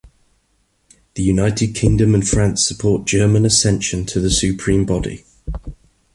The United Kingdom and France support German ascension to the supreme body.